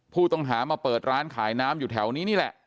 ผู้ต้องหามาเปิดร้านขายน้ำอยู่แถวนี้นี่แหละ